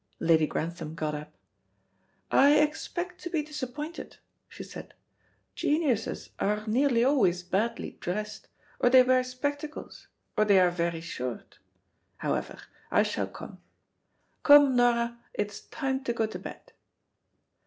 Lady Grantham got up. "I expect to be disappointed," she said. "Geniuses are nearly always badly dressed, or they wear spectacles, or they are very short. However, I shall come. Come, Nora, it's time to go to bed."